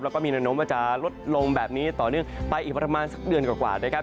แล้วก็มีแนวโน้มว่าจะลดลงแบบนี้ต่อเนื่องไปอีกประมาณสักเดือนกว่านะครับ